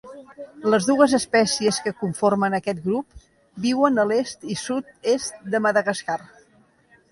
Les dues espècies que conformen aquest grup viuen a l'est i sud-est de Madagascar.